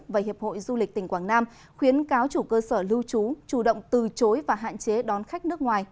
và hiệp hội du lịch tỉnh quảng nam khuyến cáo chủ cơ sở lưu trú chủ động từ chối và hạn chế đón khách nước ngoài